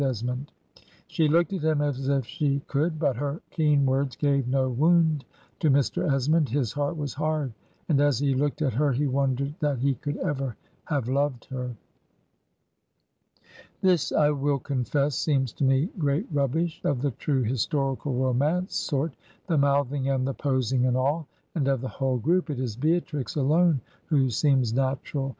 Esmond. She looked at him as if she could. But her keen words gave no wound to Mr. Esmond; his heart was hard. And as he looked at her he wondered that he could ever have loved her." This, I will confess, seems to me great rubbish, of the true historical romance sort, the mouthing and the posing and all; and of the whole group it is Beatrix alone who seems natural.